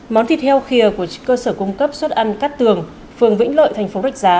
món thịt heo khìa của cơ sở cung cấp suất ăn cát tường phường vĩnh lợi thành phố rạch giá